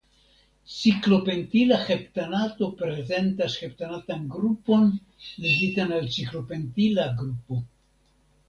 Ciklopentila heptanato prezentas heptanatan grupon ligitan al ciklopentila grupo.